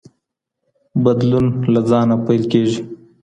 بدلون له ځانه پیل کیږي.